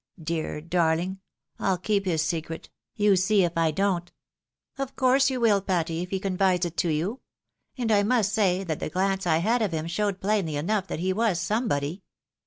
Dear darling ! I'll keep his secret, you see if I don't." " Of course you will, Patty, if he confides it to you. And I must say, that the glance I liad of him showed plainly enough that he was somebody.